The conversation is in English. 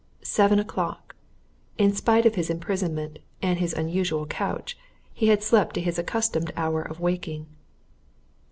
Seven o'clock! in spite of his imprisonment and his unusual couch, he had slept to his accustomed hour of waking.